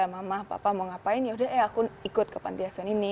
mama papa mau ngapain yaudah eh aku ikut ke panti asuhan ini